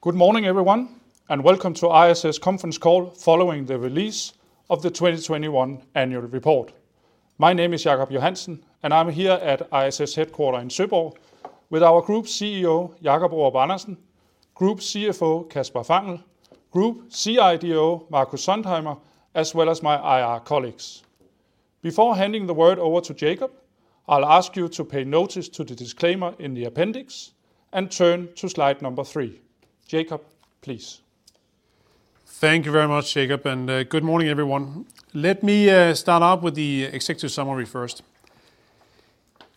Good morning, everyone, and welcome to the ISS conference call following the release of the 2021 annual report. My name is Jacob Johansen, and I'm here at ISS headquarters in Søborg with our Group CEO, Jacob Aarup-Andersen, Group CFO, Kasper Fangel, Group CIDO, Markus Sontheimer, as well as my IR colleagues. Before handing the word over to Jacob, I'll ask you to pay notice to the disclaimer in the appendix and turn to slide three. Jacob, please. Thank you very much, Jacob, and good morning, everyone. Let me start off with the executive summary first.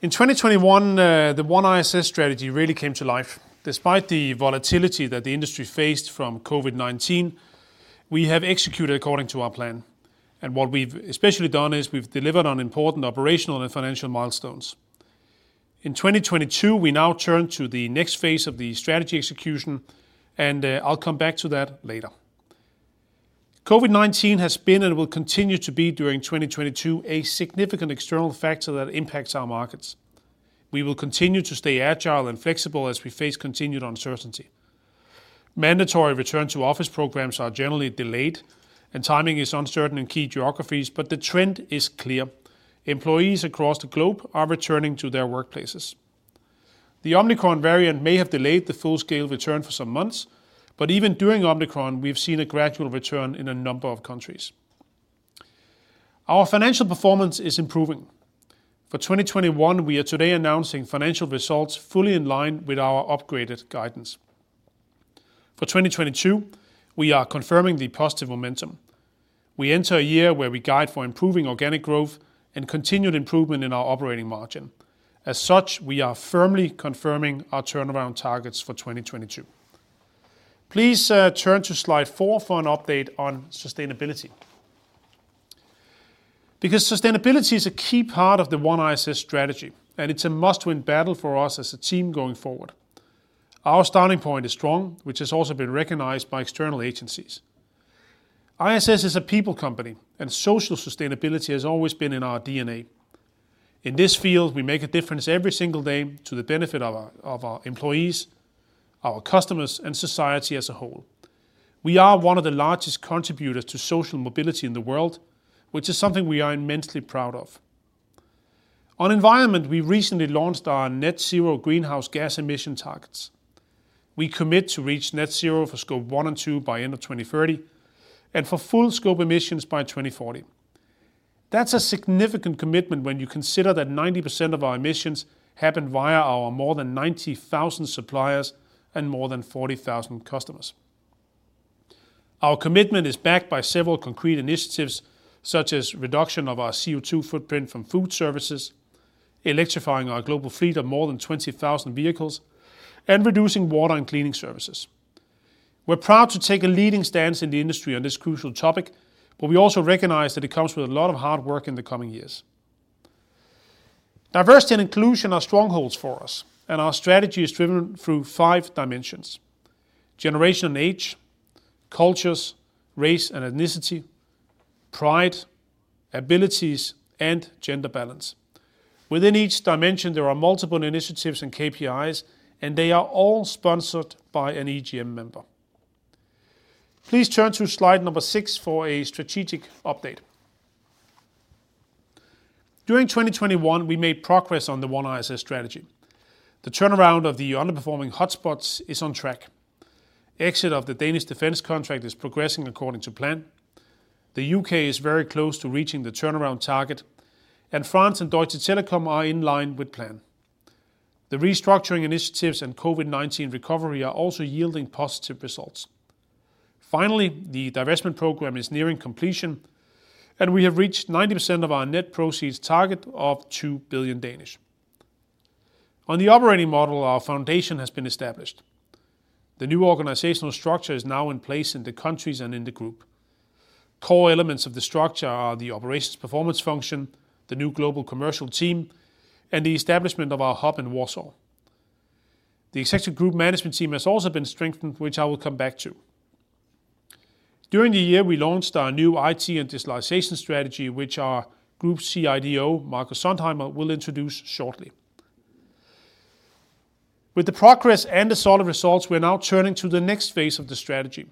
In 2021, the OneISS strategy really came to life. Despite the volatility that the industry faced from COVID-19, we have executed according to our plan. What we've especially done is we've delivered on important operational and financial milestones. In 2022, we now turn to the next phase of the strategy execution, and I'll come back to that later. COVID-19 has been, and will continue to be during 2022, a significant external factor that impacts our markets. We will continue to stay agile and flexible as we face continued uncertainty. Mandatory return to office programs are generally delayed, and timing is uncertain in key geographies, but the trend is clear. Employees across the globe are returning to their workplaces. The Omicron variant may have delayed the full-scale return for some months, but even during Omicron, we've seen a gradual return in a number of countries. Our financial performance is improving. For 2021, we are today announcing financial results fully in line with our upgraded guidance. For 2022, we are confirming the positive momentum. We enter a year where we guide for improving organic growth and continued improvement in our operating margin. As such, we are firmly confirming our turnaround targets for 2022. Please, turn to slide four for an update on sustainability. Because sustainability is a key part of the OneISS strategy, and it's a must-win battle for us as a team going forward. Our starting point is strong, which has also been recognized by external agencies. ISS is a people company and social sustainability has always been in our DNA. In this field, we make a difference every single day to the benefit of our employees, our customers, and society as a whole. We are one of the largest contributors to social mobility in the world, which is something we are immensely proud of. On environment, we recently launched our net zero greenhouse gas emission targets. We commit to reach net zero for Scope 1 and 2 by end of 2030, and for full scope emissions by 2040. That's a significant commitment when you consider that 90% of our emissions happen via our more than 90,000 suppliers and more than 40,000 customers. Our commitment is backed by several concrete initiatives such as reduction of our CO2 footprint from food services, electrifying our global fleet of more than 20,000 vehicles, and reducing water and cleaning services. We're proud to take a leading stance in the industry on this crucial topic, but we also recognize that it comes with a lot of hard work in the coming years. Diversity and inclusion are strongholds for us, and our strategy is driven through five dimensions: generation and age, cultures, race and ethnicity, pride, abilities, and gender balance. Within each dimension, there are multiple initiatives and KPIs, and they are all sponsored by an EGM member. Please turn to slide six for a strategic update. During 2021, we made progress on the OneISS strategy. The turnaround of the underperforming hotspots is on track. Exit of the Danish Defence contract is progressing according to plan. The U.K. is very close to reaching the turnaround target, and France and Deutsche Telekom are in line with plan. The restructuring initiatives and COVID-19 recovery are also yielding positive results. Finally, the divestment program is nearing completion, and we have reached 90% of our net proceeds target of 2 billion. On the operating model, our foundation has been established. The new organizational structure is now in place in the countries and in the group. Core elements of the structure are the operations performance function, the new global commercial team, and the establishment of our hub in Warsaw. The executive group management team has also been strengthened, which I will come back to. During the year, we launched our new IT and digitalization strategy, which our Group CIDO, Markus Sontheimer, will introduce shortly. With the progress and the solid results, we're now turning to the next phase of the strategy.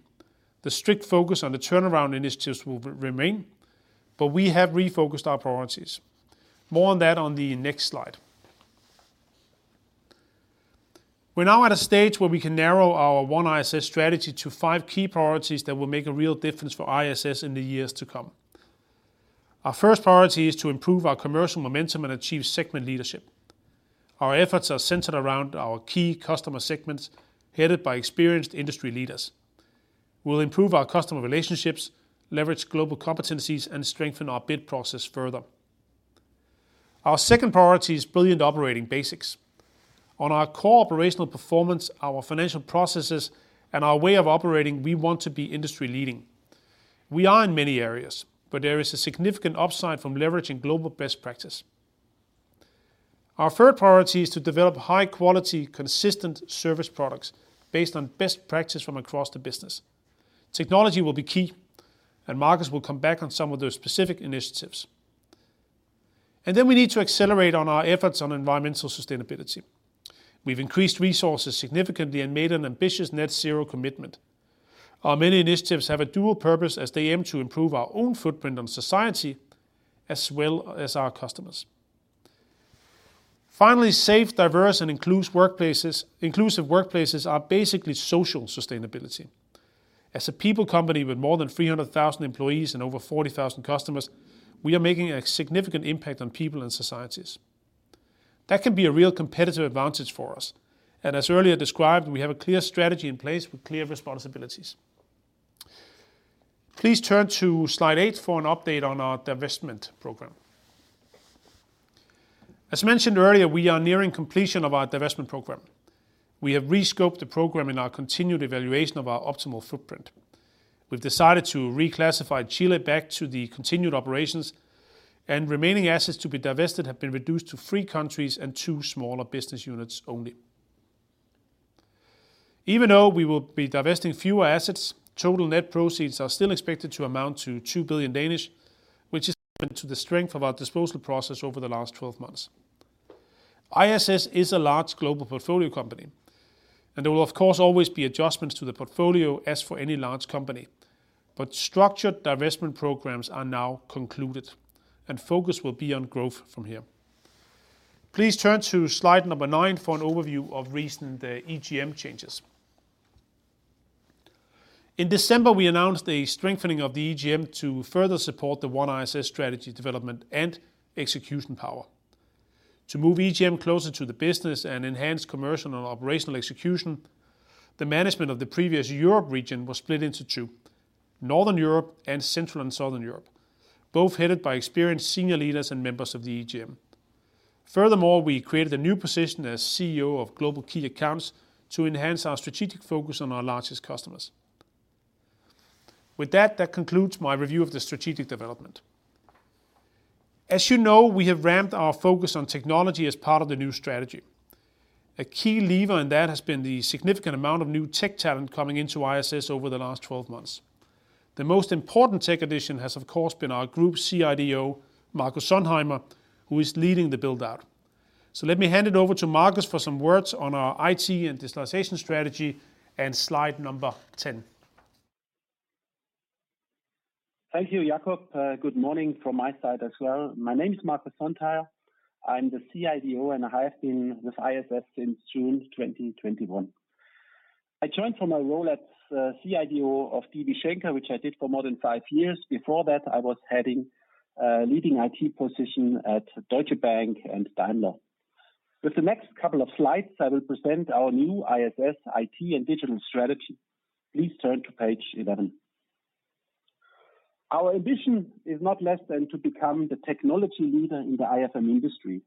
The strict focus on the turnaround initiatives will remain, but we have refocused our priorities. More on that on the next slide. We're now at a stage where we can narrow our OneISS strategy to five key priorities that will make a real difference for ISS in the years to come. Our first priority is to improve our commercial momentum and achieve segment leadership. Our efforts are centered around our key customer segments, headed by experienced industry leaders. We'll improve our customer relationships, leverage global competencies, and strengthen our bid process further. Our second priority is brilliant operating basics. On our core operational performance, our financial processes, and our way of operating, we want to be industry-leading. We are in many areas, but there is a significant upside from leveraging global best practice. Our third priority is to develop high-quality, consistent service products based on best practice from across the business. Technology will be key, and Markus will come back on some of those specific initiatives. We need to accelerate on our efforts on environmental sustainability. We've increased resources significantly and made an ambitious net zero commitment. Our many initiatives have a dual purpose as they aim to improve our own footprint on society as well as our customers. Finally, safe, diverse, and inclusive workplaces are basically social sustainability. As a people company with more than 300,000 employees and over 40,000 customers, we are making a significant impact on people and societies. That can be a real competitive advantage for us. As earlier described, we have a clear strategy in place with clear responsibilities. Please turn to slide eight for an update on our divestment program. As mentioned earlier, we are nearing completion of our divestment program. We have re-scoped the program in our continued evaluation of our optimal footprint. We've decided to reclassify Chile back to the continued operations, and remaining assets to be divested have been reduced to three countries and two smaller business units only. Even though we will be divesting fewer assets, total net proceeds are still expected to amount to 2 billion, which is a testament to the strength of our disposal process over the last 12 months. ISS is a large global portfolio company, and there will of course always be adjustments to the portfolio as for any large company. Structured divestment programs are now concluded, and focus will be on growth from here. Please turn to slide number nine for an overview of recent EGM changes. In December, we announced a strengthening of the EGM to further support the OneISS strategy development and execution power. To move EGM closer to the business and enhance commercial and operational execution, the management of the previous Europe region was split into two, Northern Europe and Central and Southern Europe, both headed by experienced senior leaders and members of the EGM. Furthermore, we created a new position as CEO of Global Key Accounts to enhance our strategic focus on our largest customers. With that concludes my review of the strategic development. As you know, we have ramped our focus on technology as part of the new strategy. A key lever in that has been the significant amount of new tech talent coming into ISS over the last 12 months. The most important tech addition has, of course, been our Group CIDO, Markus Sontheimer, who is leading the build-out. Let me hand it over to Markus for some words on our IT and digitalization strategy and slide number 10. Thank you, Jacob. Good morning from my side as well. My name is Markus Sontheimer. I'm the CIDO, and I have been with ISS since June 2021. I joined from a role at CIDO of DB Schenker, which I did for more than five years. Before that, I was leading IT position at Deutsche Bank and Daimler. With the next couple of slides, I will present our new ISS IT and digital strategy. Please turn to page 11. Our ambition is not less than to become the technology leader in the IFM industry,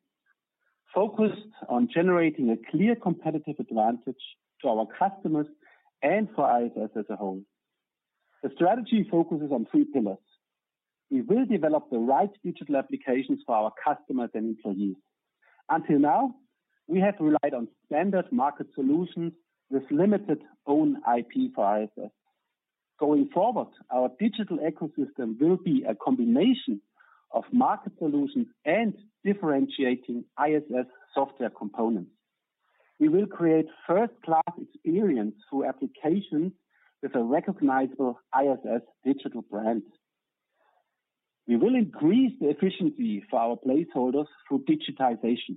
focused on generating a clear competitive advantage to our customers and for ISS as a whole. The strategy focuses on three pillars. We will develop the right digital applications for our customers and employees. Until now, we have relied on standard market solutions with limited own IP for ISS. Going forward, our digital ecosystem will be a combination of market solutions and differentiating ISS software components. We will create first-class experience through applications with a recognizable ISS digital brand. We will increase the efficiency for our placeholders through digitization.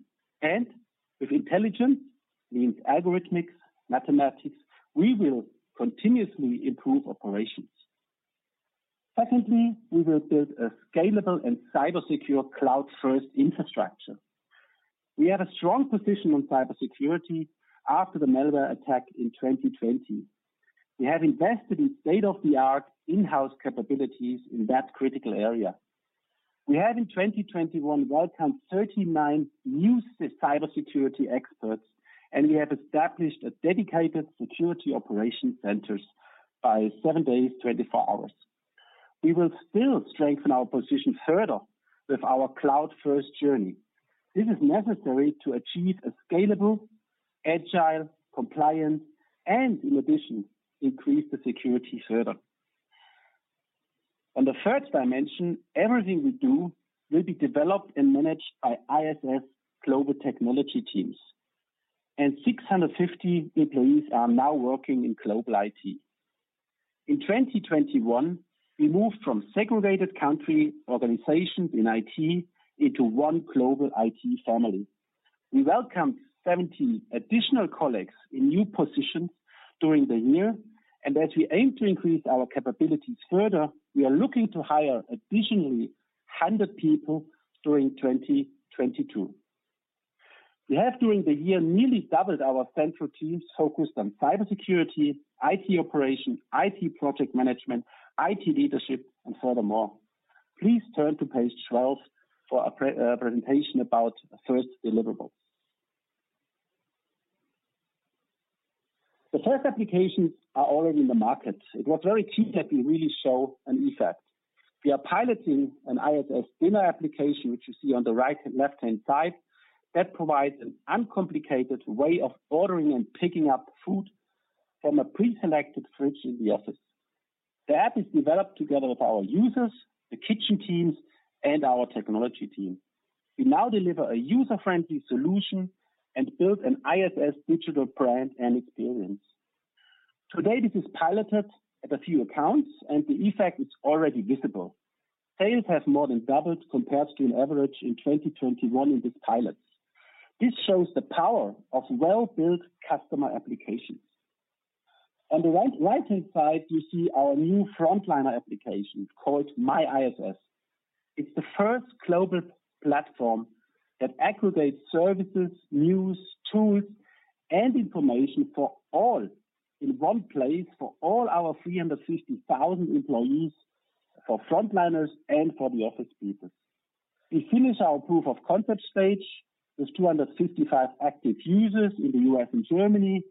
With intelligence, means algorithmics, mathematics, we will continuously improve operations. Secondly, we will build a scalable and cybersecure cloud-first infrastructure. We have a strong position on cybersecurity after the malware attack in 2020. We have invested in state-of-the-art in-house capabilities in that critical area. We have in 2021 welcomed 39 new cybersecurity experts, and we have established a dedicated security operation centers 24/7. We will still strengthen our position further with our cloud-first journey. This is necessary to achieve a scalable, agile, compliant, and in addition, increase the security further. On the third dimension, everything we do will be developed and managed by ISS global technology teams, and 650 employees are now working in global IT. In 2021, we moved from segregated country organizations in IT into one global IT family. We welcomed 70 additional colleagues in new positions during the year, and as we aim to increase our capabilities further, we are looking to hire additionally 100 people during 2022. We have during the year nearly doubled our central teams focused on cybersecurity, IT operation, IT project management, IT leadership, and furthermore. Please turn to page 12 for a pre-presentation about first deliverables. The first applications are already in the market. It was very key that we really show an effect. We are piloting an ISS Diner application, which you see on the left-hand side, that provides an uncomplicated way of ordering and picking up food from a preselected fridge in the office. The app is developed together with our users, the kitchen teams, and our technology team. We now deliver a user-friendly solution and build an ISS digital brand and experience. Today, this is piloted at a few accounts, and the effect is already visible. Sales have more than doubled compared to an average in 2021 in these pilots. This shows the power of well-built customer applications. On the right-hand side, you see our new frontliner application called MyISS. It's the first global platform that aggregates services, news, tools, and information for all in one place for all our 350,000 employees, for frontliners and for the office people. We finish our proof of concept stage with 255 active users in the U.S. and Germany,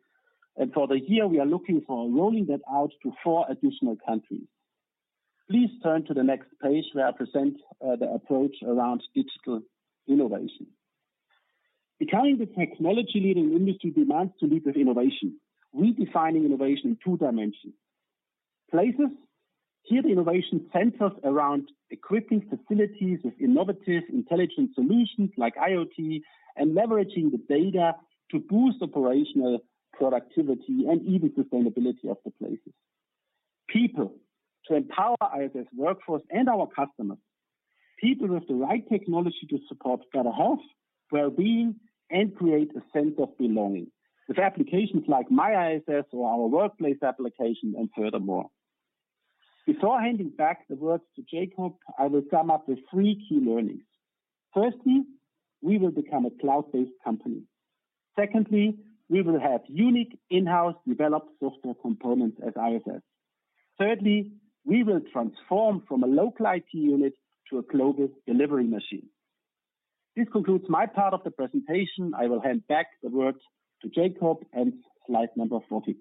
and for the year, we are looking for rolling that out to four additional countries. Please turn to the next page where I present the approach around digital innovation. Becoming the technology leader the industry demands to lead with innovation, redefining innovation in two dimensions. Places. Here, the innovation centers around equipping facilities with innovative intelligent solutions like IoT and leveraging the data to boost operational productivity and even sustainability of the places. People. To empower ISS workforce and our customers. People with the right technology to support better health, well-being, and create a sense of belonging with applications like MyISS or our workplace application and furthermore. Before handing the word back to Jacob, I will sum up the three key learnings. Firstly, we will become a cloud-based company. Secondly, we will have unique in-house developed software components at ISS. Thirdly, we will transform from a local IT unit to a global delivery machine. This concludes my part of the presentation. I will hand back the word to Jacob and slide number 14.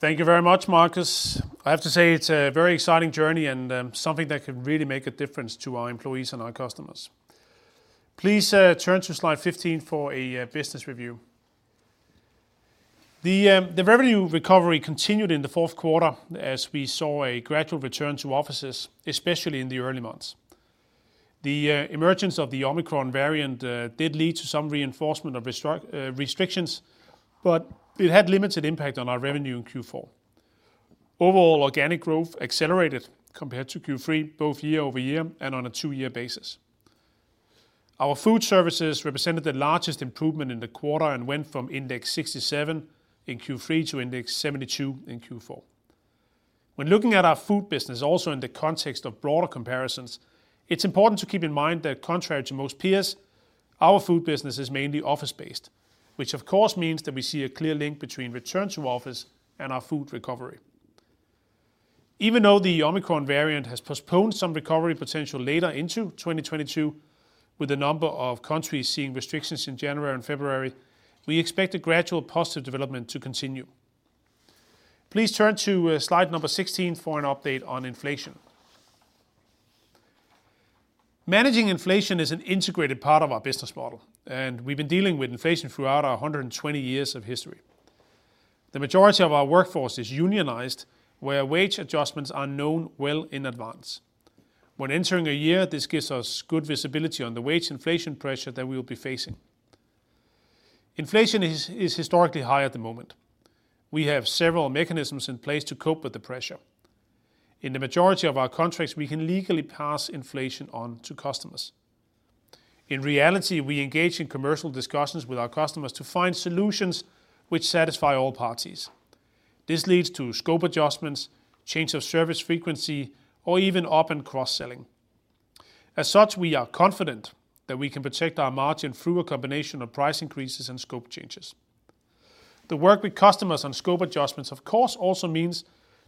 Thank you very much, Markus. I have to say it's a very exciting journey and something that can really make a difference to our employees and our customers. Please turn to slide 15 for a business review. The revenue recovery continued in the fourth quarter as we saw a gradual return to offices, especially in the early months. The emergence of the Omicron variant did lead to some reinforcement of restrictions, but it had limited impact on our revenue in Q4. Overall, organic growth accelerated compared to Q3, both year-over-year and on a two-year basis. Our food services represented the largest improvement in the quarter and went from index 67 in Q3 to index 72 in Q4. When looking at our food business also in the context of broader comparisons, it's important to keep in mind that contrary to most peers, our food business is mainly office-based, which of course means that we see a clear link between return to office and our food recovery. Even though the Omicron variant has postponed some recovery potential later into 2022 with a number of countries seeing restrictions in January and February, we expect a gradual positive development to continue. Please turn to slide number 16 for an update on inflation. Managing inflation is an integrated part of our business model, and we've been dealing with inflation throughout our 120 years of history. The majority of our workforce is unionized, where wage adjustments are known well in advance. When entering a year, this gives us good visibility on the wage inflation pressure that we will be facing. Inflation is historically high at the moment. We have several mechanisms in place to cope with the pressure. In the majority of our contracts, we can legally pass inflation on to customers. In reality, we engage in commercial discussions with our customers to find solutions which satisfy all parties. This leads to scope adjustments, change of service frequency, or even up and cross-selling. As such, we are confident that we can protect our margin through a combination of price increases and scope changes. The work with customers on scope adjustments, of course, also means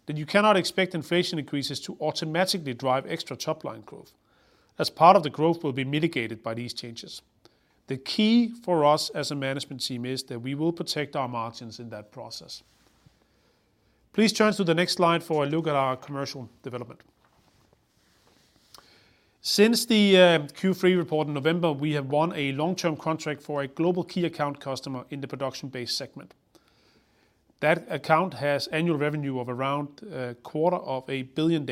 that you cannot expect inflation increases to automatically drive extra top-line growth, as part of the growth will be mitigated by these changes. The key for us as a management team is that we will protect our margins in that process. Please turn to the next slide for a look at our commercial development. Since the Q3 report in November, we have won a long-term contract for a Global Key Account customer in the production-based segment. That account has annual revenue of around DKK a quarter of a billion.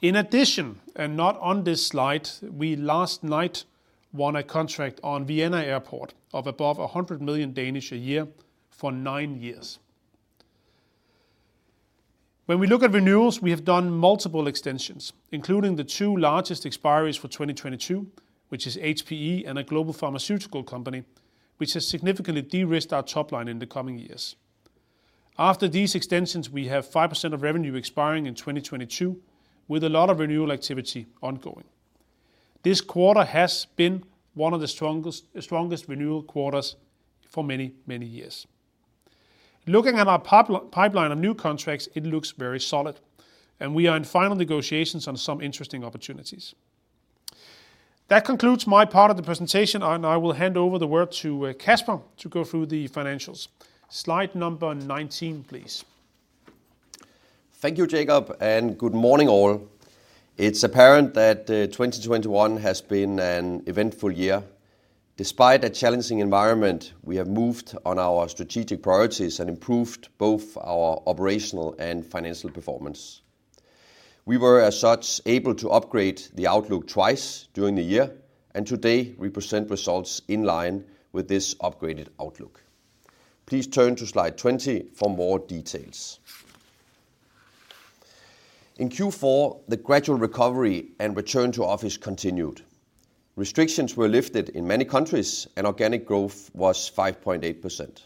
In addition, and not on this slide, we last night won a contract on Vienna Airport of above 100 million a year for nine years. When we look at renewals, we have done multiple extensions, including the two largest expiries for 2022, which is HPE and a global pharmaceutical company, which has significantly de-risked our top line in the coming years. After these extensions, we have 5% of revenue expiring in 2022, with a lot of renewal activity ongoing. This quarter has been one of the strongest renewal quarters for many years. Looking at our pipeline of new contracts, it looks very solid, and we are in final negotiations on some interesting opportunities. That concludes my part of the presentation, and I will hand over the word to Kasper to go through the financials. Slide number 19, please. Thank you, Jacob, and good morning all. It's apparent that 2021 has been an eventful year. Despite a challenging environment, we have moved on our strategic priorities and improved both our operational and financial performance. We were, as such, able to upgrade the outlook twice during the year, and today we present results in line with this upgraded outlook. Please turn to slide 20 for more details. In Q4, the gradual recovery and return to office continued. Restrictions were lifted in many countries and organic growth was 5.8%,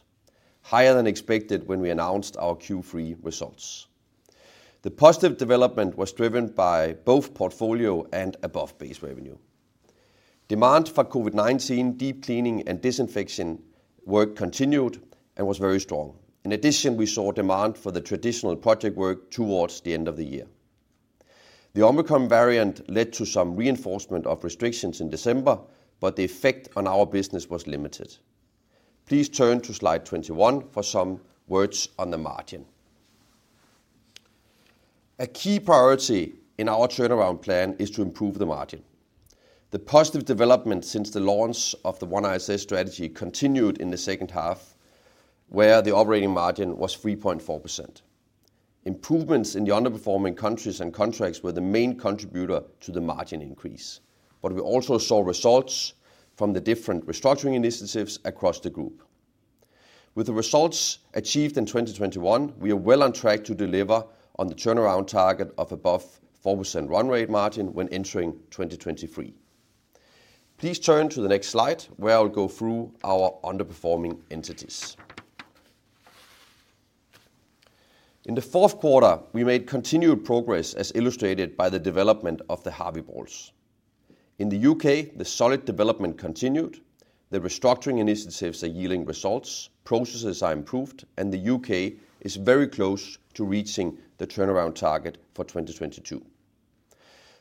higher than expected when we announced our Q3 results. The positive development was driven by both portfolio and above-base revenue. Demand for COVID-19 deep cleaning and disinfection work continued and was very strong. In addition, we saw demand for the traditional project work towards the end of the year. The Omicron variant led to some reinforcement of restrictions in December, but the effect on our business was limited. Please turn to slide 21 for some words on the margin. A key priority in our turnaround plan is to improve the margin. The positive development since the launch of the OneISS strategy continued in the second half, where the operating margin was 3.4%. Improvements in the underperforming countries and contracts were the main contributor to the margin increase, but we also saw results from the different restructuring initiatives across the group. With the results achieved in 2021, we are well on track to deliver on the turnaround target of above 4% run rate margin when entering 2023. Please turn to the next slide, where I'll go through our underperforming entities. In the fourth quarter, we made continued progress as illustrated by the development of the Harvey balls. In the U.K., the solid development continued. The restructuring initiatives are yielding results, processes are improved, and the U.K. is very close to reaching the turnaround target for 2022.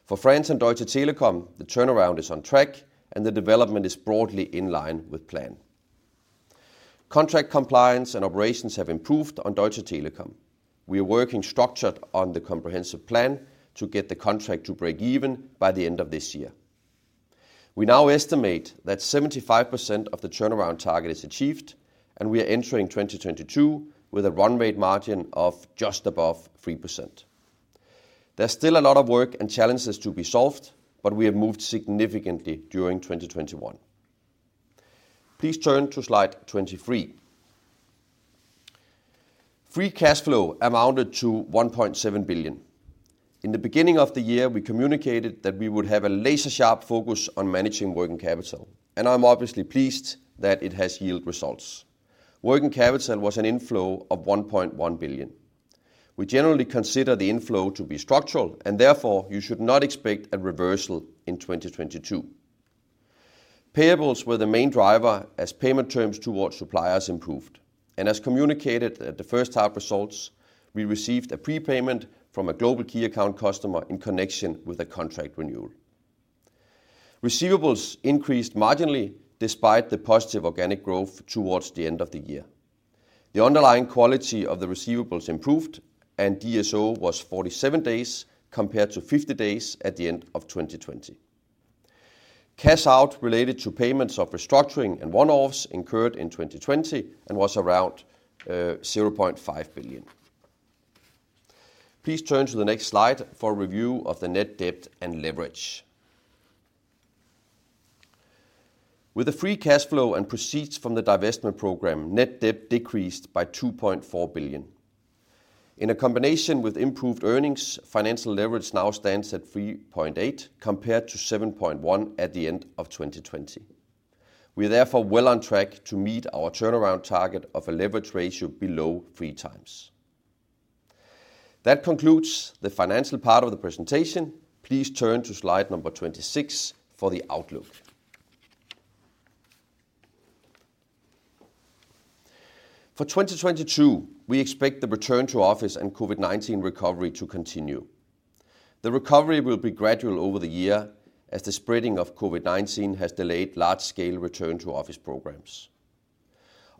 For France and Deutsche Telekom, the turnaround is on track and the development is broadly in line with plan. Contract compliance and operations have improved on Deutsche Telekom. We are working structured on the comprehensive plan to get the contract to break even by the end of this year. We now estimate that 75% of the turnaround target is achieved, and we are entering 2022 with a run rate margin of just above 3%. There's still a lot of work and challenges to be solved, but we have moved significantly during 2021. Please turn to slide 23. Free cash flow amounted to 1.7 billion. In the beginning of the year, we communicated that we would have a laser-sharp focus on managing working capital, and I'm obviously pleased that it has yield results. Working capital was an inflow of 1.1 billion. We generally consider the inflow to be structural, and therefore you should not expect a reversal in 2022. Payables were the main driver as payment terms towards suppliers improved. As communicated at the first half results, we received a prepayment from a Global Key Accounts customer in connection with a contract renewal. Receivables increased marginally despite the positive organic growth towards the end of the year. The underlying quality of the receivables improved and DSO was 47 days compared to 50 days at the end of 2020. Cash outflow related to payments of restructuring and one-offs incurred in 2020 and was around 0.5 billion. Please turn to the next slide for a review of the net debt and leverage. With the free cash flow and proceeds from the divestment program, net debt decreased by 2.4 billion. In a combination with improved earnings, financial leverage now stands at 3.8x, compared to 7.1x at the end of 2020. We are therefore well on track to meet our turnaround target of a leverage ratio below 3x. That concludes the financial part of the presentation. Please turn to slide number 26 for the outlook. For 2022, we expect the return to office and COVID-19 recovery to continue. The recovery will be gradual over the year as the spreading of COVID-19 has delayed large-scale return to office programs.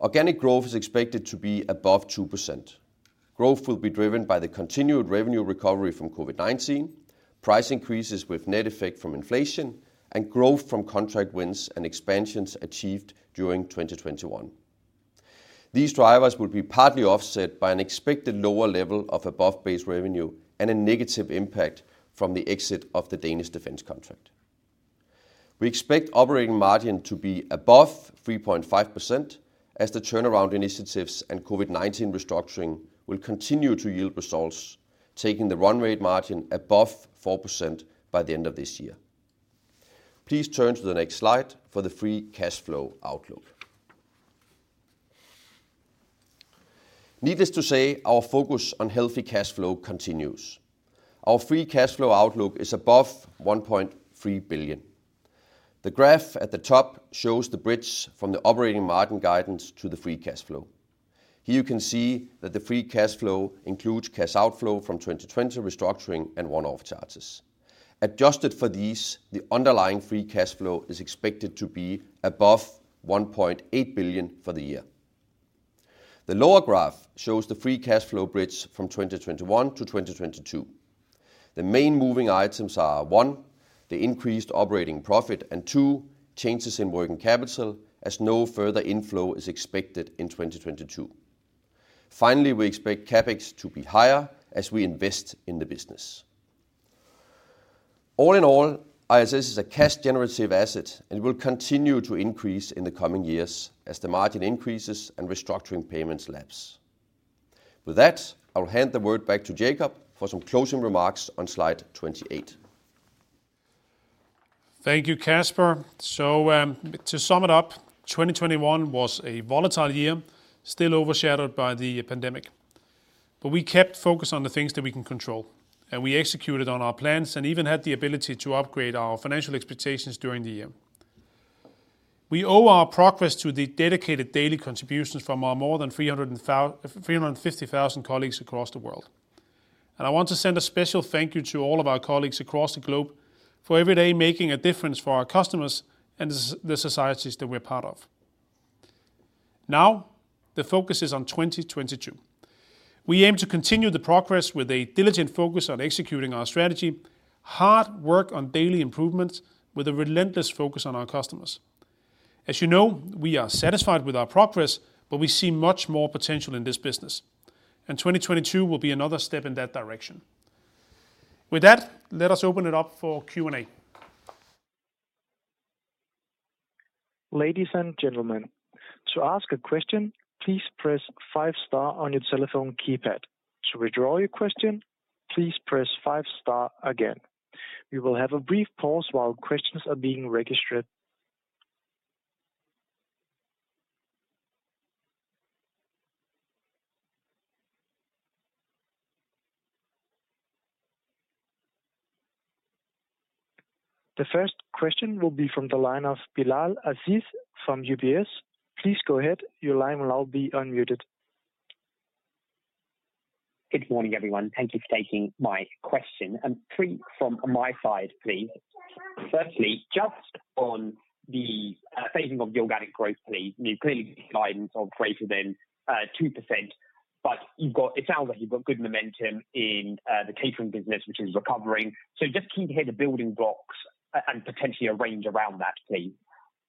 Organic growth is expected to be above 2%. Growth will be driven by the continued revenue recovery from COVID-19, price increases with net effect from inflation, and growth from contract wins and expansions achieved during 2021. These drivers will be partly offset by an expected lower level of above-base revenue and a negative impact from the exit of the Danish Defence contract. We expect operating margin to be above 3.5% as the turnaround initiatives and COVID-19 restructuring will continue to yield results, taking the run rate margin above 4% by the end of this year. Please turn to the next slide for the free cash flow outlook. Needless to say, our focus on healthy cash flow continues. Our free cash flow outlook is above 1.3 billion. The graph at the top shows the bridge from the operating margin guidance to the free cash flow. Here you can see that the free cash flow includes cash outflow from 2020 restructuring and one-off charges. Adjusted for these, the underlying free cash flow is expected to be above 1.8 billion for the year. The lower graph shows the free cash flow bridge from 2021 to 2022. The main moving items are, one, the increased operating profit, and two, changes in working capital, as no further inflow is expected in 2022. Finally, we expect CapEx to be higher as we invest in the business. All in all, ISS is a cash-generative asset, and will continue to increase in the coming years as the margin increases and restructuring payments lapse. With that, I'll hand the word back to Jacob for some closing remarks on slide 28. Thank you, Kasper. To sum it up, 2021 was a volatile year, still overshadowed by the pandemic. We kept focused on the things that we can control, and we executed on our plans and even had the ability to upgrade our financial expectations during the year. We owe our progress to the dedicated daily contributions from our more than 350,000 colleagues across the world. I want to send a special thank you to all of our colleagues across the globe for every day making a difference for our customers and the societies that we're part of. Now, the focus is on 2022. We aim to continue the progress with a diligent focus on executing our strategy, hard work on daily improvements, with a relentless focus on our customers. As you know, we are satisfied with our progress, but we see much more potential in this business, and 2022 will be another step in that direction. With that, let us open it up for Q&A. Ladies and gentlemen, to ask a question, please press five star on your telephone keypad. To withdraw your question, please press five star again. We will have a brief pause while questions are being registered. The first question will be from the line of Bilal Aziz from UBS. Please go ahead. Your line will now be unmuted. Good morning, everyone. Thank you for taking my question. Three from my side, please. Firstly, just on the phasing of the organic growth, please. You've clearly given guidance of greater than 2%, but you've got good momentum in the catering business, which is recovering. Just can you share the building blocks and potentially a range around that, please?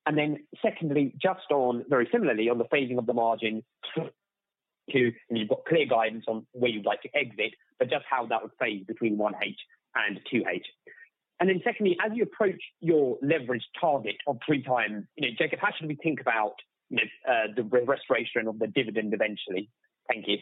Then secondly, just on, very similarly, on the phasing of the margin too, and you've got clear guidance on where you'd like to exit, but just how that would phase between 1H and 2H. Then secondly, as you approach your leverage target of 3x, you know, Jacob, how should we think about, you know, the restoration of the dividend eventually? Thank you.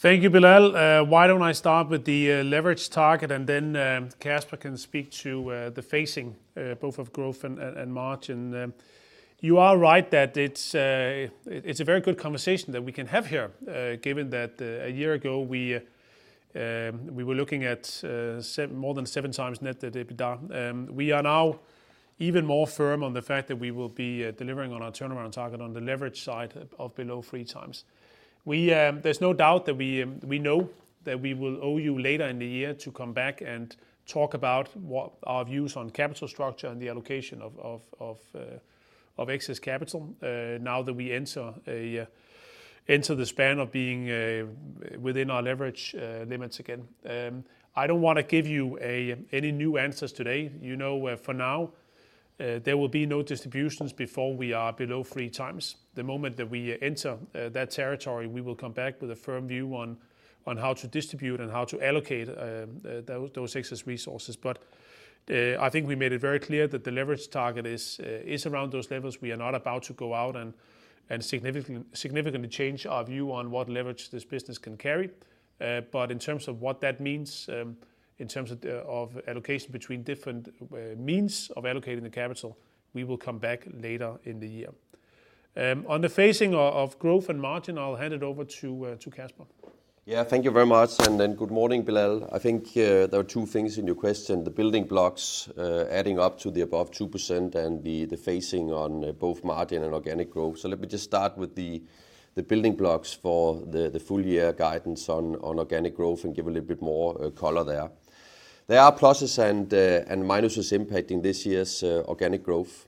Thank you, Bilal. Why don't I start with the leverage target, and then Kasper can speak to the phasing both of growth and margin. You are right that it's a very good conversation that we can have here, given that a year ago we were looking at more than 7x net debt-to-EBITDA. We are now even more firm on the fact that we will be delivering on our turnaround target on the leverage side of below 3x. There's no doubt that we know that we will owe you later in the year to come back and talk about what our views on capital structure and the allocation of excess capital, now that we enter the span of being within our leverage limits again. I don't wanna give you any new answers today. You know, for now, there will be no distributions before we are below 3x. The moment that we enter that territory, we will come back with a firm view on how to distribute and how to allocate those excess resources. I think we made it very clear that the leverage target is around those levels. We are not about to go out and significantly change our view on what leverage this business can carry. In terms of what that means, in terms of allocation between different means of allocating the capital, we will come back later in the year. On the phasing of growth and margin, I'll hand it over to Kasper. Yeah. Thank you very much, and then good morning, Bilal. I think there are two things in your question, the building blocks adding up to the above 2% and the phasing on both margin and organic growth. Let me just start with the building blocks for the full-year guidance on organic growth and give a little bit more color there. There are pluses and minuses impacting this year's organic growth.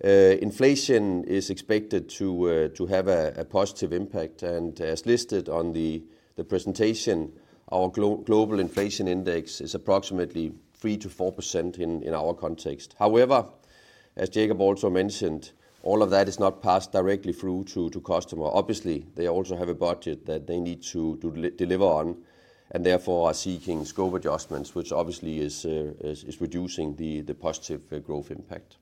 Inflation is expected to have a positive impact. As listed on the presentation, our global inflation index is approximately 3%-4% in our context. However, as Jacob also mentioned, all of that is not passed directly through to customer. Obviously, they also have a budget that they need to deliver on, and therefore are seeking scope adjustments, which obviously is reducing the positive growth impact.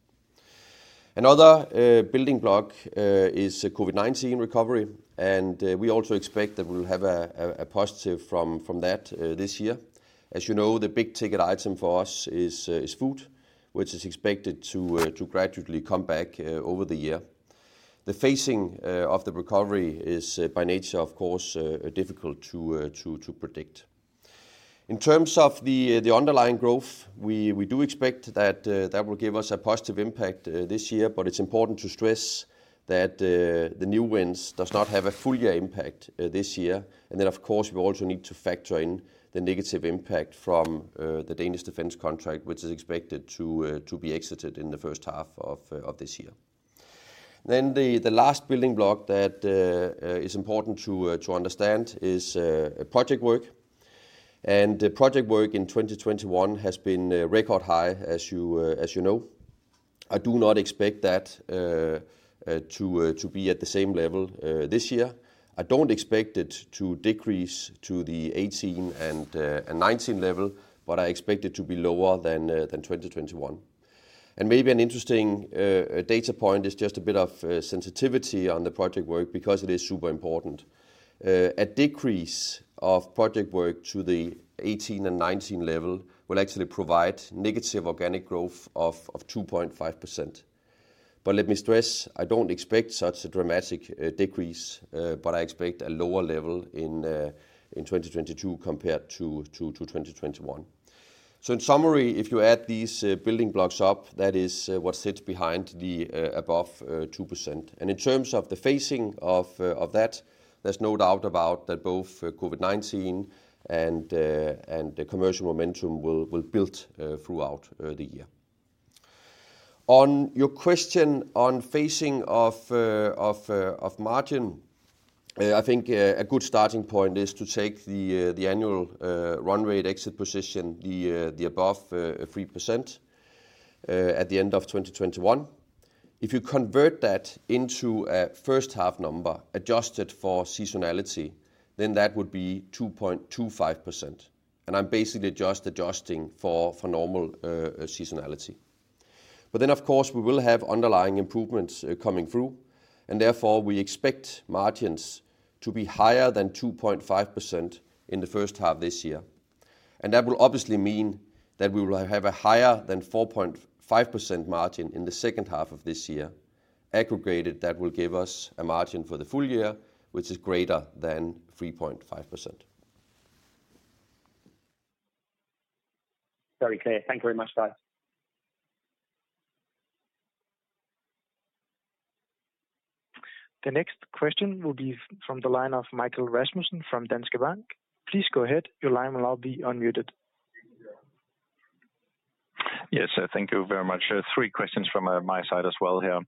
Another building block is COVID-19 recovery, and we also expect that we'll have a positive from that this year. As you know, the big ticket item for us is food, which is expected to gradually come back over the year. The phasing of the recovery is, by nature, of course, difficult to predict. In terms of the underlying growth, we do expect that will give us a positive impact this year. But it's important to stress that the new wins does not have a full-year impact this year. Of course, we also need to factor in the negative impact from the Danish Defence contract, which is expected to be exited in the first half of this year. The last building block that is important to understand is project work. Project work in 2021 has been record high as you know. I do not expect that to be at the same level this year. I don't expect it to decrease to the 18 and 19 level, but I expect it to be lower than 2021. Maybe an interesting data point is just a bit of sensitivity on the project work because it is super important. A decrease of project work to the 2018 and 2019 level will actually provide negative organic growth of 2.5%. But let me stress, I don't expect such a dramatic decrease, but I expect a lower level in 2022 compared to 2021. In summary, if you add these building blocks up, that is what sits behind the above 2%. In terms of the phasing of that, there's no doubt about that both COVID-19 and the commercial momentum will build throughout the year. On your question on phasing of margin, I think a good starting point is to take the annual run rate exit position, the above 3% at the end of 2021. If you convert that into a first half number adjusted for seasonality, then that would be 2.25%, and I'm basically just adjusting for normal seasonality. Of course, we will have underlying improvements coming through, and therefore we expect margins to be higher than 2.5% in the first half this year. That will obviously mean that we will have a higher than 4.5% margin in the second half of this year. Aggregated, that will give us a margin for the full year, which is greater than 3.5%. Very clear. Thank you very much, guys. The next question will be from the line of Michael Rasmussen from Danske Bank. Please go ahead. Your line will now be unmuted. Yes, thank you very much. Three questions from my side as well here.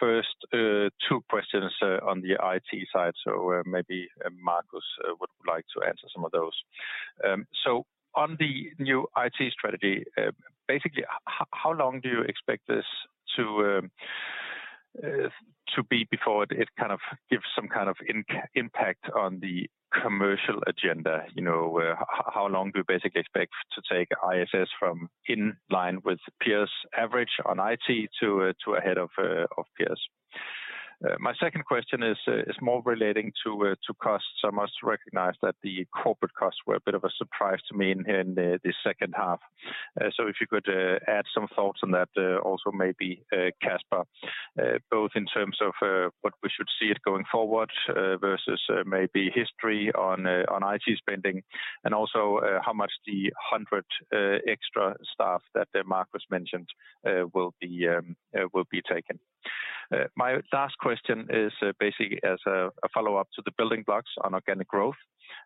First, two questions on the IT side. So maybe Markus would like to answer some of those. So on the new IT strategy, basically, how long do you expect this to be before it kind of gives some kind of impact on the commercial agenda? You know, how long do you basically expect to take ISS from in line with peers average on IT to ahead of peers? My second question is more relating to costs. I must recognize that the corporate costs were a bit of a surprise to me in the second half. If you could add some thoughts on that, also maybe Kasper, both in terms of what we should see it going forward, versus maybe history on IT spending, and also how much the 100 extra staff that Markus mentioned will be taken. My last question is basically as a follow-up to the building blocks on organic growth.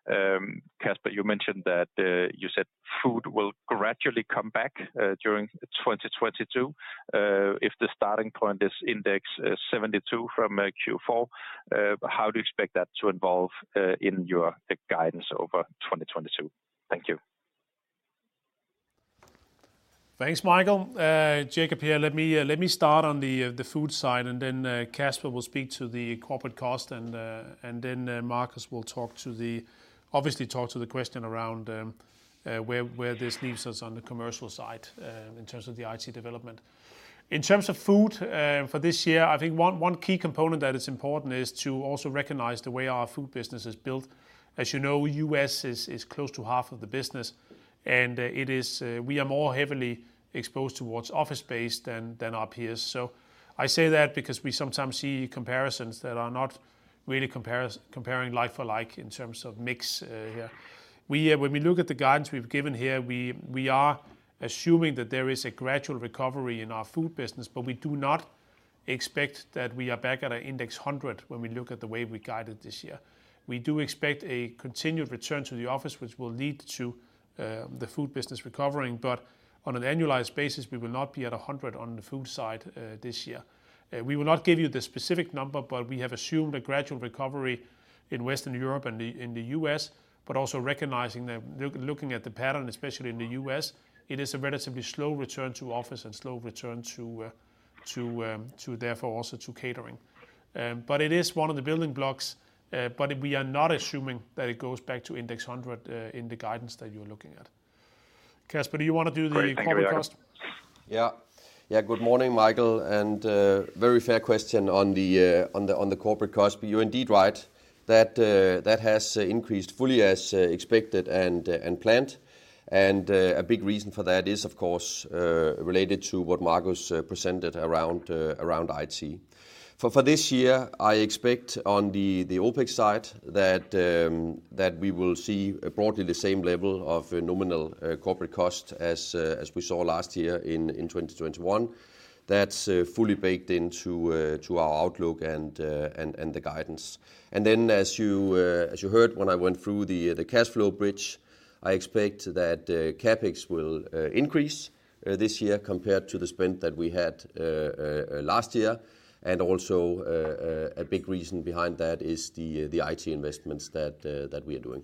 Kasper, you mentioned that you said food will gradually come back during 2022. If the starting point is index 72 from Q4, how do you expect that to evolve in your guidance over 2022? Thank you. Thanks, Michael. Jacob here. Let me start on the food side and then Kasper will speak to the corporate cost and then Markus will talk to the question around where this leaves us on the commercial side in terms of the IT development. In terms of food for this year, I think one key component that is important is to also recognize the way our food business is built. As you know, U.S. is close to half of the business, and it is we are more heavily exposed towards office space than our peers. I say that because we sometimes see comparisons that are not really comparing like for like in terms of mix here. When we look at the guidance we've given here, we are assuming that there is a gradual recovery in our food business, but we do not expect that we are back at an index 100 when we look at the way we guided this year. We do expect a continued return to the office, which will lead to the food business recovering. On an annualized basis, we will not be at a 100 on the food side this year. We will not give you the specific number, but we have assumed a gradual recovery in Western Europe and in the U.S., but also recognizing that looking at the pattern, especially in the U.S., it is a relatively slow return to office and slow return to catering. It is one of the building blocks, but we are not assuming that it goes back to index 100 in the guidance that you're looking at. Kasper, do you wanna do the corporate cost? Great. Thank you, Jacob. Yeah. Good morning, Michael, and very fair question on the corporate cost. You're indeed right. That has increased fully as expected and planned. A big reason for that is of course related to what Markus presented around IT. For this year, I expect on the OpEx side that we will see broadly the same level of nominal corporate cost as we saw last year in 2021. That's fully baked into our outlook and the guidance. As you heard when I went through the cash flow bridge, I expect that CapEx will increase this year compared to the spend that we had last year. Also, a big reason behind that is the IT investments that we are doing.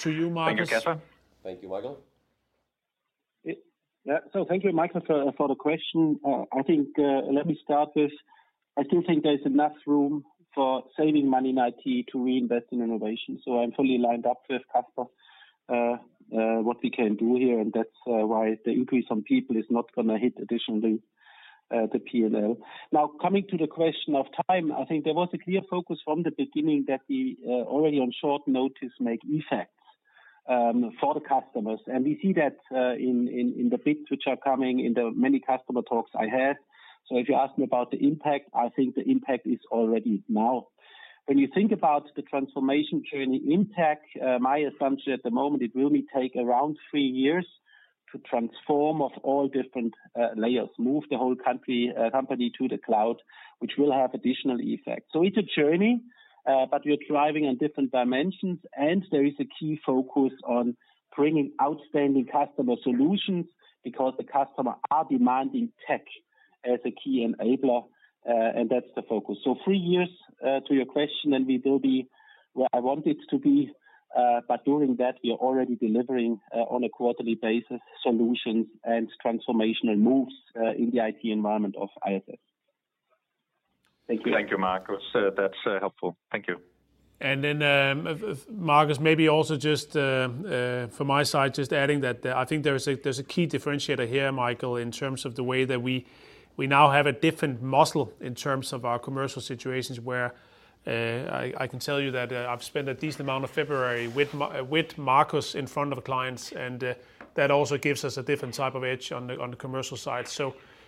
To you, Markus. Thank you, Kasper. Thank you, Michael. Thank you, Michael, for the question. I think, let me start with, I still think there is enough room for saving money in IT to reinvest in innovation. I'm fully lined up with Kasper what we can do here, and that's why the increase on people is not gonna hit additionally the P&L. Now, coming to the question of time, I think there was a clear focus from the beginning that we already on short notice make effects for the customers. We see that in the wins which are coming in the many customer talks I have. If you ask me about the impact, I think the impact is already now. When you think about the transformation journey in tech, my assumption at the moment, it will take around three years to transform all different layers, move the whole company to the cloud, which will have additional effect. It's a journey, but we are driving on different dimensions, and there is a key focus on bringing outstanding customer solutions because the customer are demanding tech as a key enabler, and that's the focus. Three years, to your question, and we will be where I want it to be. During that we are already delivering, on a quarterly basis, solutions and transformational moves, in the IT environment of ISS. Thank you. Thank you, Markus. That's helpful. Thank you. If Markus, maybe also just from my side, just adding that I think there's a key differentiator here, Michael, in terms of the way that we now have a different muscle in terms of our commercial situations where I can tell you that I've spent a decent amount of February with Markus in front of clients, and that also gives us a different type of edge on the commercial side.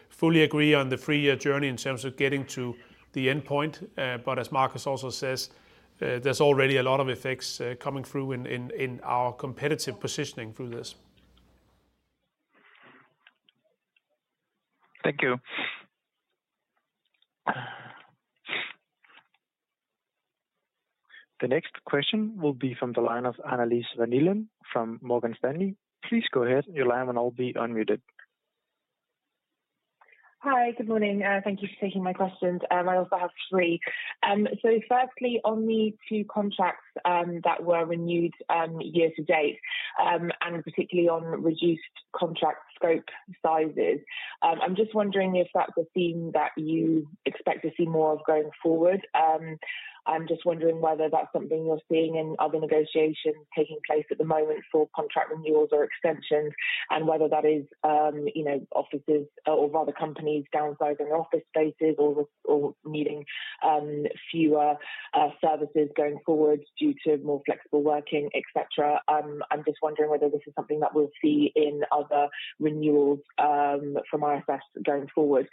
Fully agree on the three-year journey in terms of getting to the endpoint. But as Markus also says, there's already a lot of effects coming through in our competitive positioning through this. Thank you. The next question will be from the line of Annelies Vermeulen from Morgan Stanley. Please go ahead. Your line will now be unmuted. Hi. Good morning. Thank you for taking my questions. I also have three. Firstly, on the two contracts that were renewed year to date, and particularly on reduced contract scope sizes, I'm just wondering if that's a theme that you expect to see more of going forward. I'm just wondering whether that's something you're seeing in other negotiations taking place at the moment for contract renewals or extensions and whether that is, you know, offices or rather companies downsizing office spaces or needing fewer services going forward due to more flexible working, et cetera. I'm just wondering whether this is something that we'll see in other renewals from ISS going forward.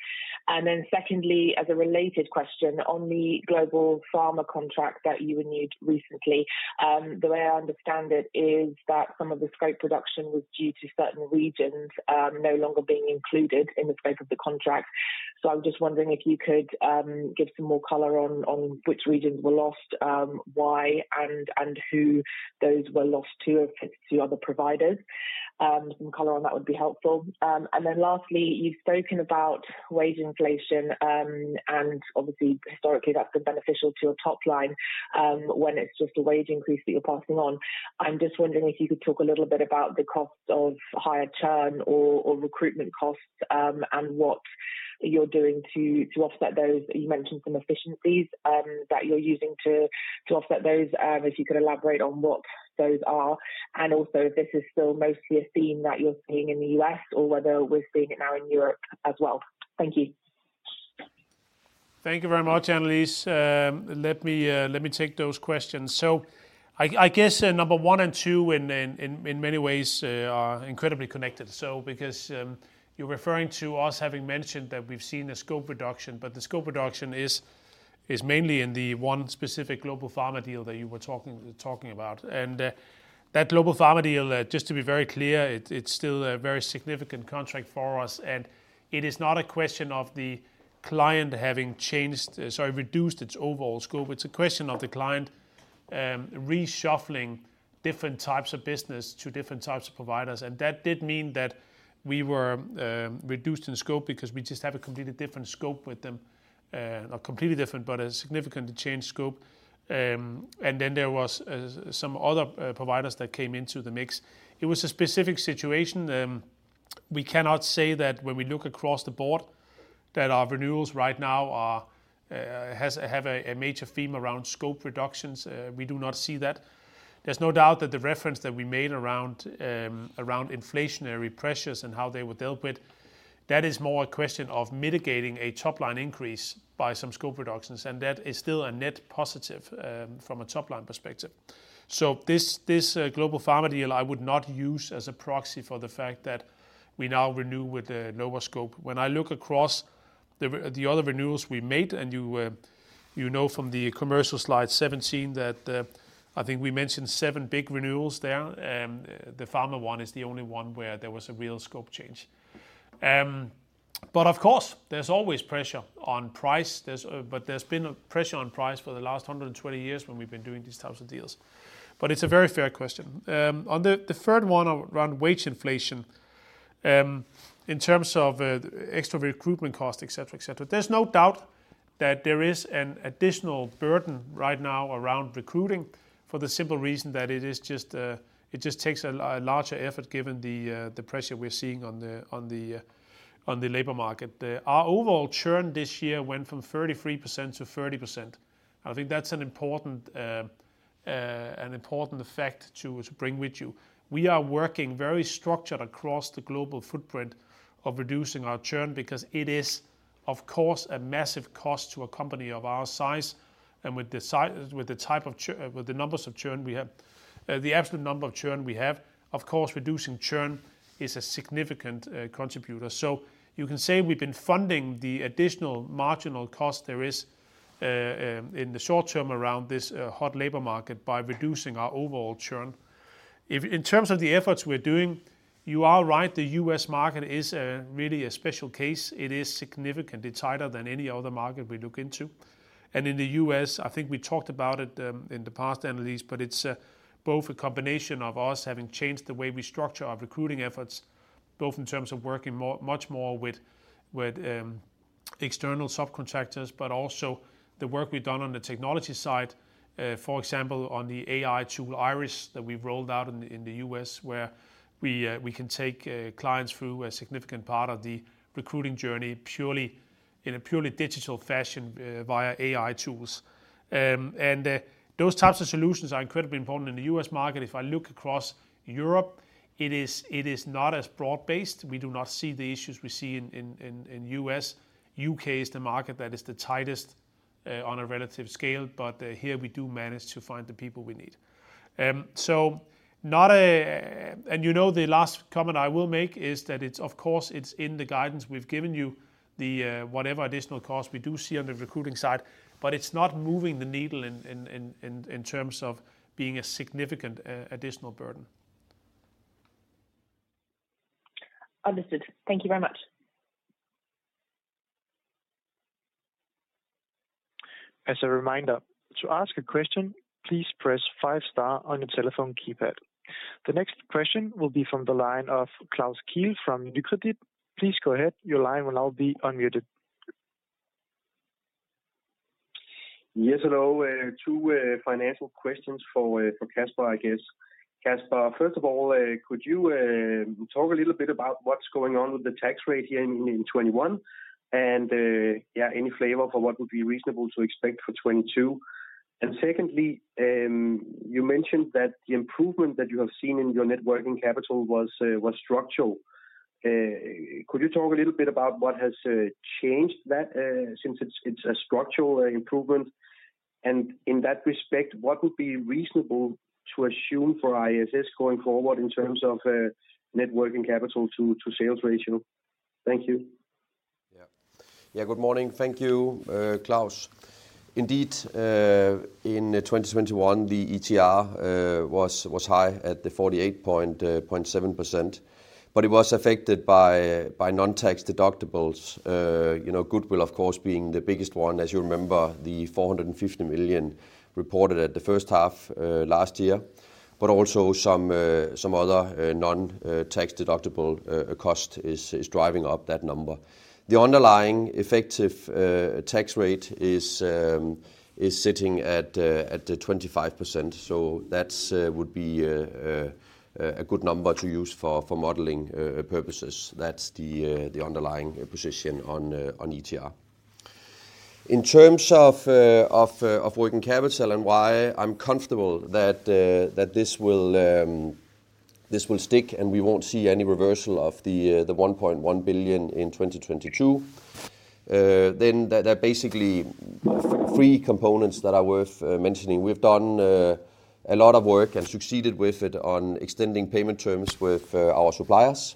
Secondly, as a related question on the global pharma contract that you renewed recently, the way I understand it is that some of the scope reduction was due to certain regions no longer being included in the scope of the contract. I'm just wondering if you could give some more color on which regions were lost, why and who those were lost to if it's to other providers. Some color on that would be helpful. Lastly, you've spoken about wage inflation, and obviously historically that's been beneficial to your top line, when it's just a wage increase that you're passing on. I'm just wondering if you could talk a little bit about the cost of higher churn or recruitment costs, and what you're doing to offset those? You mentioned some efficiencies that you're using to offset those. If you could elaborate on what those are and also if this is still mostly a theme that you're seeing in the U.S. or whether we're seeing it now in Europe as well. Thank you. Thank you very much, Annelies. Let me take those questions. I guess number one and two in many ways are incredibly connected. Because you're referring to us having mentioned that we've seen a scope reduction, but the scope reduction is mainly in the one specific global pharma deal that you were talking about. That global pharma deal, just to be very clear, it's still a very significant contract for us, and it is not a question of the client having changed, sorry, reduced its overall scope. It's a question of the client reshuffling different types of business to different types of providers. That did mean that we were reduced in scope because we just have a completely different scope with them, not completely different, but a significantly changed scope. There was some other providers that came into the mix. It was a specific situation. We cannot say that when we look across the board that our renewals right now have a major theme around scope reductions. We do not see that. There's no doubt that the reference that we made around inflationary pressures and how they were dealt with, that is more a question of mitigating a top-line increase by some scope reductions, and that is still a net positive from a top-line perspective. This global pharma deal I would not use as a proxy for the fact that we now renew with a lower scope. When I look across The other renewals we made, and you know from the commercial slide 17 that I think we mentioned seven big renewals there. The pharma one is the only one where there was a real scope change. But of course, there's always pressure on price. But there's been a pressure on price for the last 120 years when we've been doing these types of deals. It's a very fair question. On the third one around wage inflation, in terms of extra recruitment cost, et cetera, there's no doubt that there is an additional burden right now around recruiting for the simple reason that it just takes a larger effort given the pressure we're seeing on the labor market. Our overall churn this year went from 33% to 30%. I think that's an important effect to bring with you. We are working very structured across the global footprint of reducing our churn because it is, of course, a massive cost to a company of our size. With the numbers of churn we have, the absolute number of churn we have, of course, reducing churn is a significant contributor. You can say we've been funding the additional marginal cost there is in the short term around this hot labor market by reducing our overall churn. In terms of the efforts we're doing, you are right, the U.S. market is a really a special case. It is significant. It's tighter than any other market we look into. In the U.S., I think we talked about it in the past analyses, but it's both a combination of us having changed the way we structure our recruiting efforts, both in terms of working much more with external subcontractors, but also the work we've done on the technology side. For example, on the AI tool, Iris, that we've rolled out in the U.S. where we can take clients through a significant part of the recruiting journey purely in a purely digital fashion via AI tools. Those types of solutions are incredibly important in the U.S. market. If I look across Europe, it is not as broad-based. We do not see the issues we see in the U.S. U.K. is the market that is the tightest on a relative scale, but here we do manage to find the people we need. You know, the last comment I will make is that it's of course in the guidance we've given you, the whatever additional cost we do see on the recruiting side, but it's not moving the needle in terms of being a significant additional burden. Understood. Thank you very much. As a reminder, to ask a question, please press five star on your telephone keypad. The next question will be from the line of Klaus Kehl from Nykredit. Please go ahead. Your line will now be unmuted. Yes, hello. Two financial questions for Kasper, I guess. Kasper, first of all, could you talk a little bit about what's going on with the tax rate here in 2021? And, yeah, any flavor for what would be reasonable to expect for 2022. And secondly, you mentioned that the improvement that you have seen in your net working capital was structural. Could you talk a little bit about what has changed that since it's a structural improvement? And in that respect, what would be reasonable to assume for ISS going forward in terms of net working capital to sales ratio? Thank you. Yeah. Yeah, good morning. Thank you, Klaus. Indeed, in 2021, the ETR was high at 48.7%, but it was affected by non-tax deductibles. You know, goodwill of course being the biggest one. As you remember, 450 million reported at the first half last year. But also some other non-tax deductible cost is driving up that number. The underlying effective tax rate is sitting at 25%. So that would be a good number to use for modeling purposes. That's the underlying position on ETR. In terms of working capital and why I'm comfortable that this will stick and we won't see any reversal of the 1.1 billion in 2022, there are basically three components that are worth mentioning. We've done a lot of work and succeeded with it on extending payment terms with our suppliers,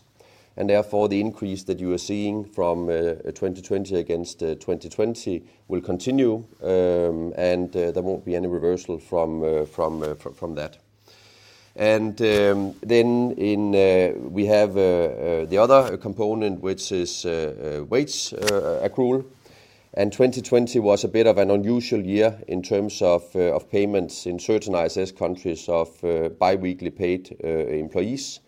and therefore, the increase that you are seeing from 2021 against 2020 will continue, and there won't be any reversal from that. We have the other component, which is wage accrual. 2020 was a bit of an unusual year in terms of payments in certain ISS countries of biweekly paid employees.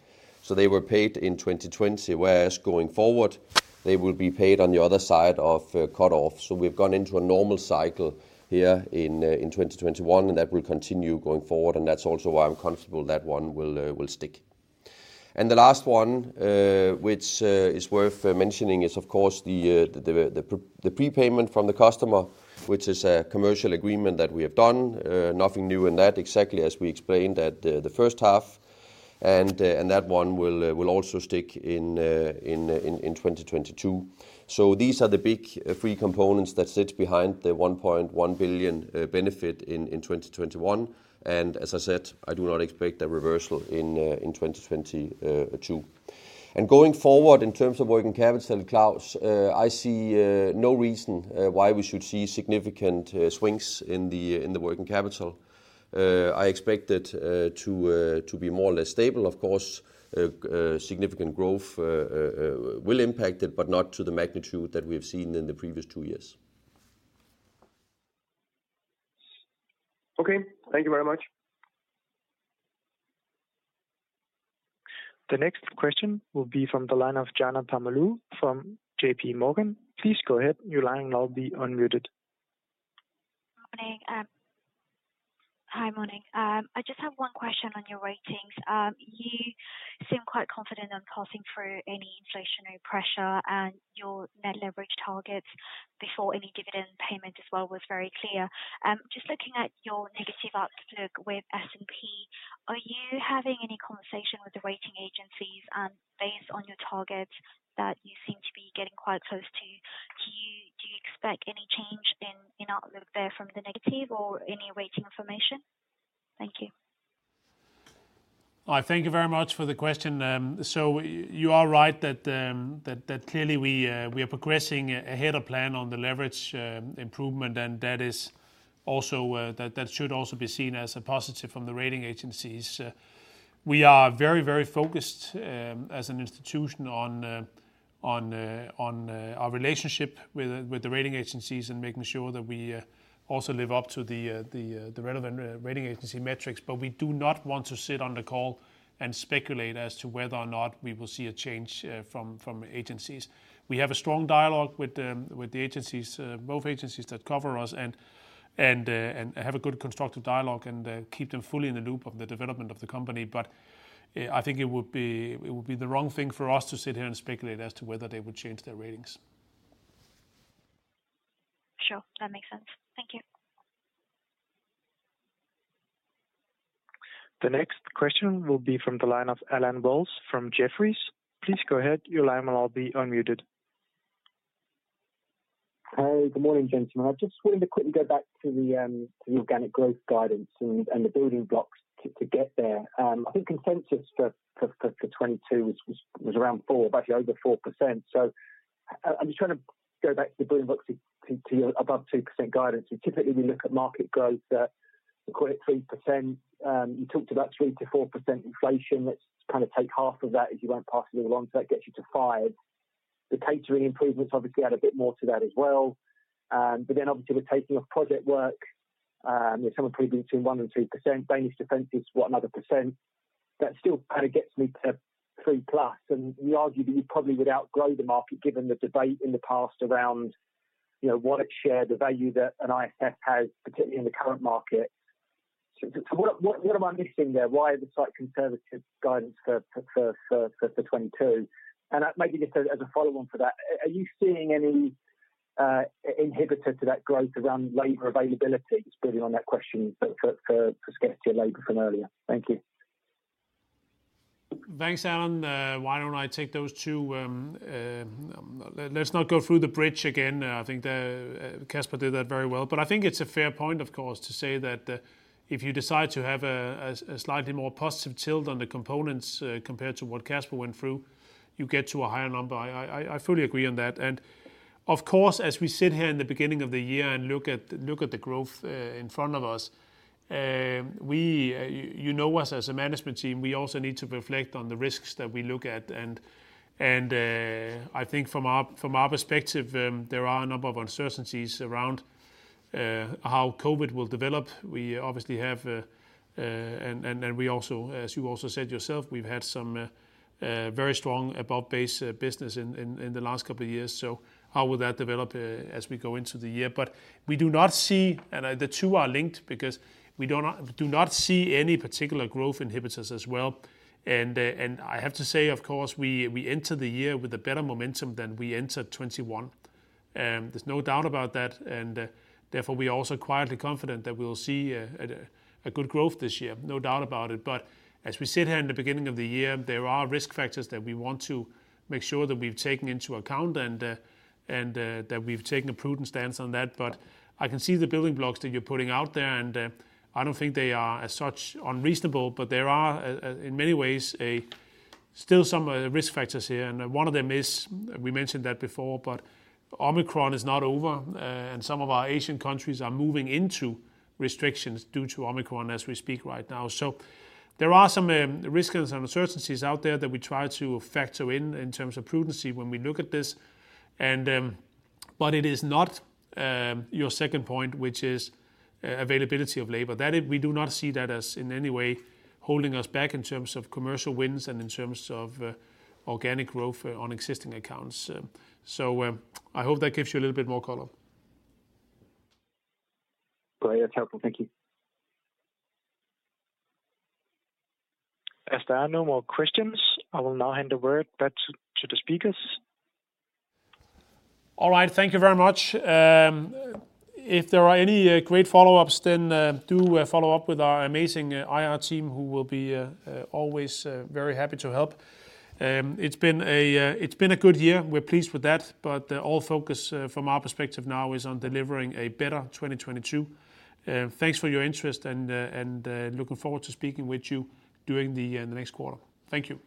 They were paid in 2020, whereas going forward, they will be paid on the other side of cut-off. We've gone into a normal cycle here in 2021, and that will continue going forward. That's also why I'm comfortable that one will stick. The last one, which is worth mentioning is, of course, the prepayment from the customer, which is a commercial agreement that we have done. Nothing new in that, exactly as we explained at the first half. That one will also stick in 2022. These are the big three components that sit behind the 1.1 billion benefit in 2021. As I said, I do not expect a reversal in 2022. Going forward in terms of working capital, Klaus, I see no reason why we should see significant swings in the working capital. I expect it to be more or less stable. Of course, significant growth will impact it, but not to the magnitude that we have seen in the previous two years. Okay. Thank you very much. The next question will be from the line of [Jana Tamalu] from JPMorgan. Please go ahead, your line will now be unmuted. Morning. Hi, morning. I just have one question on your ratings. You seem quite confident on passing through any inflationary pressure and your net leverage targets before any dividend payment as well was very clear. Just looking at your negative outlook with S&P, are you having any conversation with the rating agencies, based on your targets that you seem to be getting quite close to? Do you expect any change in outlook there from the negative or any rating information? Thank you. All right. Thank you very much for the question. You are right that clearly we are progressing ahead of plan on the leverage improvement, and that should also be seen as a positive from the rating agencies. We are very, very focused as an institution on our relationship with the rating agencies and making sure that we also live up to the relevant rating agency metrics. We do not want to sit on the call and speculate as to whether or not we will see a change from agencies. We have a strong dialogue with the agencies, both agencies that cover us and have a good constructive dialogue and keep them fully in the loop of the development of the company. I think it would be the wrong thing for us to sit here and speculate as to whether they would change their ratings. Sure. That makes sense. Thank you. The next question will be from the line of Allen Wells from Jefferies. Please go ahead. Your line will all be unmuted. Hi. Good morning, gentlemen. I just wanted to quickly go back to the organic growth guidance and the building blocks to get there. I think consensus for 2022 was around 4%, actually over 4%. I'm just trying to go back to the building blocks to your above 2% guidance. Typically, we look at market growth at 3%. You talked about 3%-4% inflation. Let's kind of take half of that as you won't pass it along, so that gets you to 5%. The catering improvements obviously add a bit more to that as well. But then obviously the taking of project work, some are predicting between 1% and 2%. Danish Defence, what, another percent. That still kind of gets me to 3+%. We argue that you probably would outgrow the market, given the debate in the past around, you know, what it shared, the value that an ISS has, particularly in the current market. So what am I missing there? Why the slight conservative guidance for 2022? Maybe just as a follow on for that, are you seeing any inhibitor to that growth around labor availability, building on that question for scarcity of labor from earlier? Thank you. Thanks, Alan. Why don't I take those two. Let's not go through the bridge again. I think that Kasper did that very well. I think it's a fair point, of course, to say that if you decide to have a slightly more positive tilt on the components compared to what Kasper went through, you get to a higher number. I fully agree on that. Of course, as we sit here in the beginning of the year and look at the growth in front of us, you know us as a management team. We also need to reflect on the risks that we look at. I think from our perspective there are a number of uncertainties around how COVID will develop. We obviously have and we also, as you also said yourself, we've had some very strong above base business in the last couple of years. How will that develop as we go into the year? We do not see. The two are linked because we do not see any particular growth inhibitors as well. I have to say, of course, we enter the year with a better momentum than we entered 2021. There's no doubt about that. Therefore, we are also quietly confident that we will see a good growth this year, no doubt about it. As we sit here in the beginning of the year, there are risk factors that we want to make sure that we've taken into account and that we've taken a prudent stance on that. I can see the building blocks that you're putting out there, and I don't think they are as such unreasonable. There are in many ways still some risk factors here. One of them is, we mentioned that before, but Omicron is not over. Some of our Asian countries are moving into restrictions due to Omicron as we speak right now. There are some risks and uncertainties out there that we try to factor in terms of prudence when we look at this. It is not your second point, which is availability of labor. That is, we do not see that as in any way holding us back in terms of commercial wins and in terms of organic growth on existing accounts. I hope that gives you a little bit more color. Great. That's helpful. Thank you. As there are no more questions, I will now hand the word back to the speakers. All right. Thank you very much. If there are any great follow-ups, then do follow up with our amazing IR team who will be always very happy to help. It's been a good year. We're pleased with that. All focus from our perspective now is on delivering a better 2022. Thanks for your interest and looking forward to speaking with you during the next quarter. Thank you.